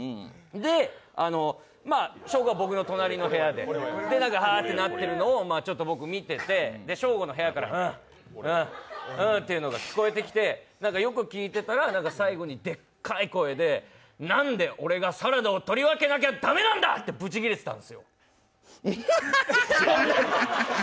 で、ショーゴが僕の隣の部屋で、ハァってなってるのをちょっと僕、見てて、ショーゴの部屋からハァって聞こえてきて、よく聞いてたら最後にでっかい声で「なんで俺がサラダを取り分けなきゃ駄目なんだ！」ってブチ切れてたんですよ。